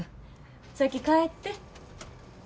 先帰って。